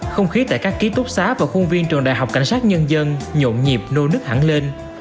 không khí tại các ký túc xá và khuôn viên trường đại học cảnh sát nhân dân nhộn nhịp nô nức hẳn lên